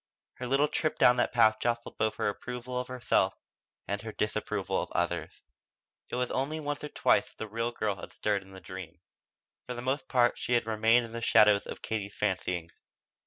Her little trip down that path jostled both her approval of herself and her disapproval of others. It was only once or twice that the real girl had stirred in the dream. For the most part she had remained in the shadow of Katie's fancyings.